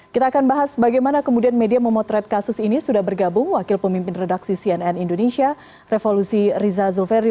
kita akan bahas bagaimana kemudian media memotret kasus ini sudah bergabung wakil pemimpin redaksi cnn indonesia revolusi riza zulferi